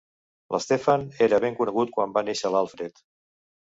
L'Stephen era ben conegut quan va néixer l'Alfred.